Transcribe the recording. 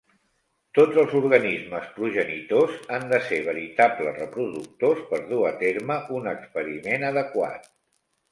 Tots els organismes progenitors han de ser veritables reproductors per dur a terme un experiment adequat.